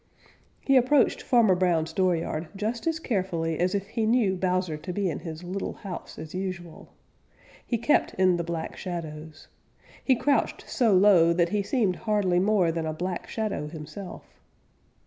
He approached Farmer Brown's dooryard just as carefully as if he knew Bowser to be in his little house as usual. He kept in the Black Shadows. He crouched so low that he seemed hardly more than a Black Shadow himself.